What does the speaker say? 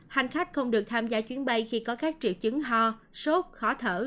hành khách không được tham gia chuyến bay khi có các triệu chứng ho sốt khó thở